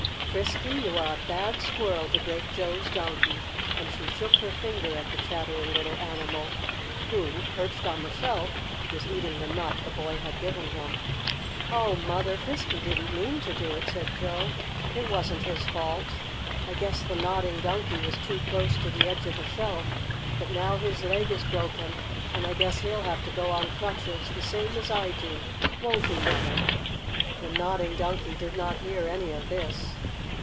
"Frisky, you are a bad squirrel to break Joe's Donkey!" and she shook her finger at the chattering little animal, who, perched on the shelf, was eating the nut the boy had given him. "Oh, Mother! Frisky didn't mean to do it," said Joe. "It wasn't his fault. I guess the Nodding Donkey was too close to the edge of the shelf. But now his leg is broken, and I guess he'll have to go on crutches, the same as I do; won't he, Mother?" The Nodding Donkey did not hear any of this.